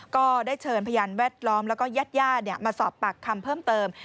ก็ได้เชิญพยานแวดล้อมแล้วก็ญาติญาติมาสอบปากคำเพิ่มเติม